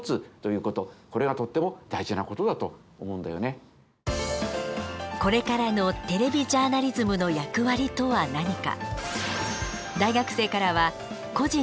こんなにこれからのテレビジャーナリズムの役割とは何か。